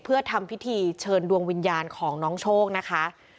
เพื่อทำพิธีเชิญดวงวิญญาณของน้องโชคนะคะ